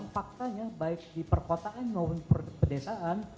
faktanya baik di perkotaan maupun pedesaan